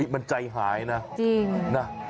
มันใจหายนะ